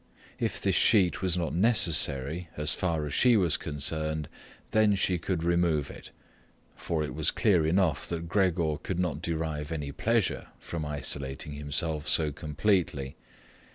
If this sheet was not necessary as far as she was concerned, then she could remove it, for it was clear enough that Gregor could not derive any pleasure from isolating himself away so completely.